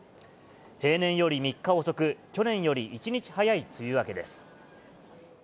平年より３日遅く、去年より１日早い梅雨明けです。